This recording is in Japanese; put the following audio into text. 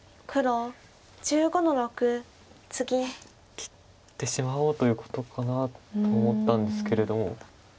切ってしまおうということかなと思ったんですけれども。